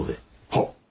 はっ。